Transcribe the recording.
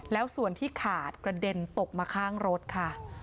แล้วส่วนที่ขาดกระเด็นตกมาข้างรถค่ะ